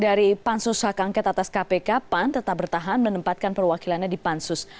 dari pansus hak angket atas kpk pan tetap bertahan menempatkan perwakilannya di pansus